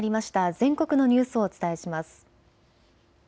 全国のニュースをお伝えします。